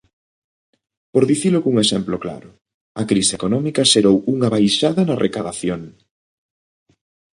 Por dicilo cun exemplo claro: a crise económica xerou unha baixada na recadación.